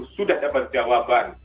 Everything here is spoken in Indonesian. sudah dapat jawaban